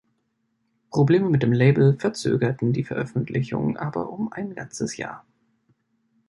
Probleme mit dem Label verzögerten die Veröffentlichung aber um ein ganzes Jahr.